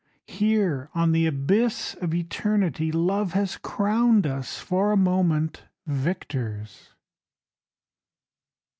Here on the abyss of eternity Love has crowned us For a moment Victors.